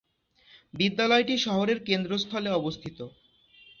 বিদ্যালয়টি শহরের কেন্দ্রস্থলে অবস্থিত।